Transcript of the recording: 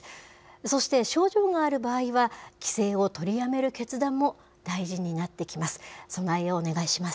そして症状がある場合は、帰省を取りやめる決断も大事になってきます。